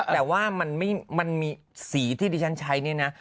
แต่ว่ามันมีสีที่ดิฉันใช้เนี่ยนะ